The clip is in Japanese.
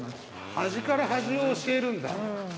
端から端を教えるんだ。